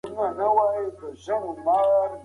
که له هڅاندو خلکو سره اوسئ لوړې موخې ټاکئ.